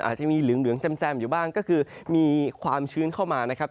อาจจะมีเหลืองแซมอยู่บ้างก็คือมีความชื้นเข้ามานะครับ